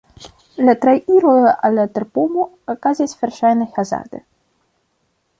La trairo al terpomo okazis verŝajne hazarde.